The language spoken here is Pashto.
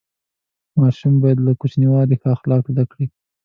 ماشوم باید له کوچنیوالي ښه اخلاق زده کړي.